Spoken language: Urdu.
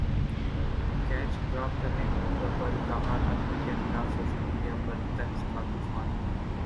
کیچ ڈراپ کرنے پر کامران اکمل کیخلاف سوشل میڈیا پر طنز کا طوفان